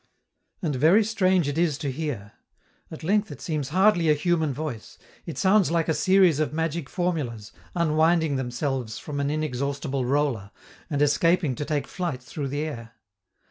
And very strange it is to hear: at length it seems hardly a human voice; it sounds like a series of magic formulas, unwinding themselves from an inexhaustible roller, and escaping to take flight through the air.